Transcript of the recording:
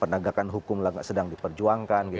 penegakan hukum sedang diperjuangkan